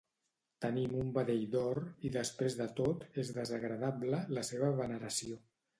Tenim un vedell d'or i després de tot és desagradable la seva veneració.